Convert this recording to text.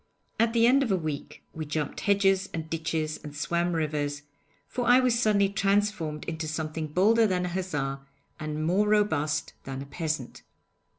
At the end of a week we jumped hedges and ditches and swam rivers, for I was suddenly transformed into something bolder than a hussar, and more robust than a peasant.'